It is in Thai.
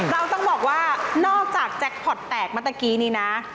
เราต้องบอกว่านอกจากแจ็คพอร์ตแตกเมื่อตะกี้นี้นะ